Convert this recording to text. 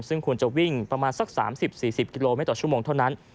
ซึ่งควรจะวิ่งประมาณสัก๓๐๔๐กิโลเมตรต่อชั่วโมงเท่านั้น